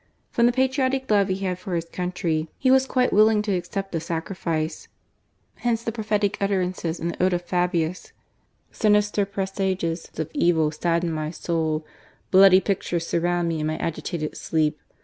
From the patriotic love he had for his country, he was quite willing to accept the sacrifice. Hence the prophetic utterances in the ode to Fabiiis: "Sinister presages of evil sadden ray soul ; bloody pictures surround me in my agitated sleep